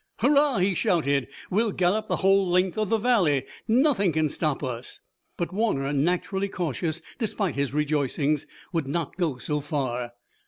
"Hurrah!" he shouted. "We'll gallop the whole length of the valley! Nothing can stop us!" But Warner, naturally cautious, despite his rejoicings, would not go so far.